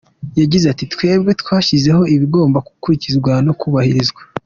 Yagize ati “Twebwe twashyizeho ibigomba gukurikizwa no kubahirizwa.